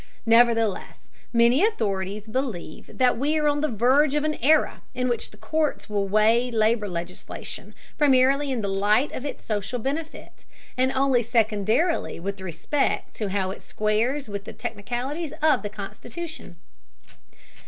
Nevertheless, many authorities believe that we are on the verge of an era in which the courts will weigh labor legislation primarily in the light of its social benefit, and only secondarily with respect to how it squares with the technicalities of the Constitution.